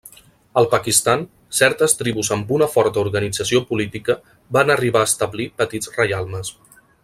Al Pakistan, certes tribus amb una forta organització política van arribar a establir petits reialmes.